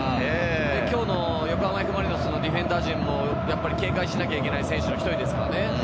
今日の横浜Ｆ・マリノスのディフェンダー陣も警戒しなければいけない選手の一人です。